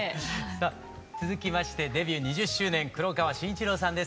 さあ続きましてデビュー２０周年黒川真一朗さんです。